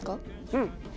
うん。